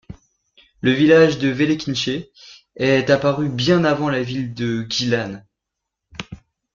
Le village de Velekincë est apparu bien avant la ville de Gjilan.